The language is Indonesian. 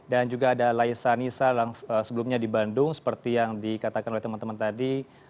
dan juga ada laisa nisa sebelumnya di bandung seperti yang dikatakan oleh teman teman tadi